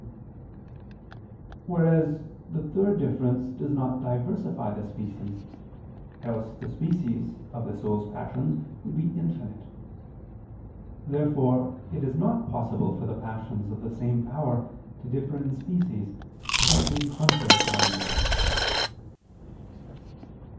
2): whereas the third difference does not diversify the species; else the species of the soul's passions would be infinite. Therefore it is not possible for passions of the same power to differ in species, without being contrary to one another.